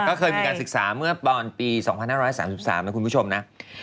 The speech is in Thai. ก็เคยมีการศึกษาเมื่อตอนปี๒๕๓๓นะคุณผู้ชมนะ